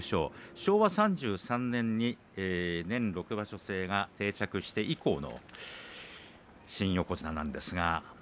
昭和３３年に年６場所制が定着して以降の新横綱の成績です。